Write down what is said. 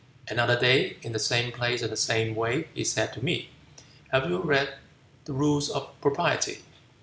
Another day, in the same place and the same way, he said to me, 'Have you read the rules of Propriety?'